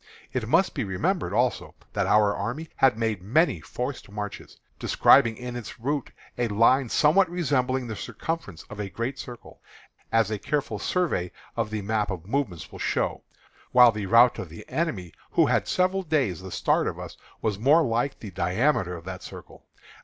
It must be remembered, also, that our army had made many forced marches, describing in its route a line somewhat resembling the circumference of a great circle, as a careful survey of the map of movements will show; while the route of the enemy, who had several days the start of us, was more like the diameter of that circle.